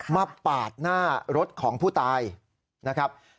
ปาดหน้ารถของผู้ตายนะครับ